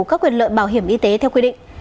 các quyền lợi bảo hiểm y tế theo quy định